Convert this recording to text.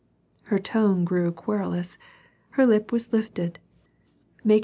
Her tone grew querulous ; her lip was lifted, making the ex * Ah!